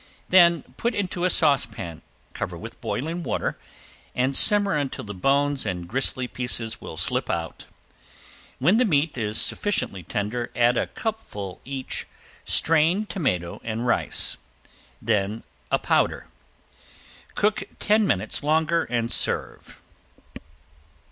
Then put into a saucepan, cover with boiling water, and simmer until the bones and gristly pieces will slip out. When the meat is sufficiently tender add a cupful each strained tomato and rice, then a powder. Cook ten minutes longer and serve.